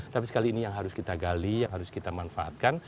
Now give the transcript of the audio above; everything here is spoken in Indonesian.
tapi sekali ini yang harus kita gali yang harus kita manfaatkan